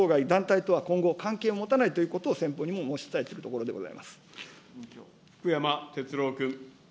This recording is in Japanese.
いずれにいたしましても当該団体とは今後関係を持たないということを先方にも申し伝えているところでございます。